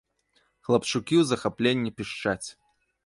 Хлапчукі ў захапленні пішчаць.